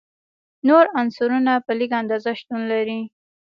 نور عنصرونه په لږه اندازه شتون لري.